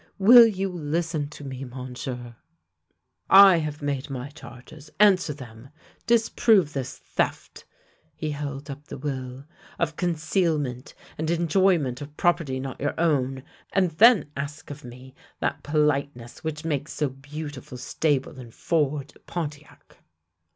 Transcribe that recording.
Will you listen to me. Monsieur? "" I have made my charges: answer them. Disprove this theft "— he held up the will —" of concealment, and enjoyment of property not your own, and then ask of me that politeness which makes so beautiful stable and forge at Pontiac."